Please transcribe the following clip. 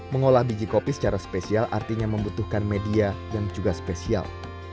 mengolah biji kopi secara spesial artinya membutuhkan media yang juga spesial